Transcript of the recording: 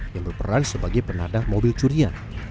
yang berperan sebagai penadah mobil curian